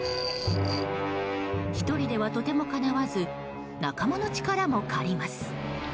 １人ではとてもかなわず仲間の力も借ります。